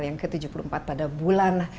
yang ke tujuh puluh empat pada bulan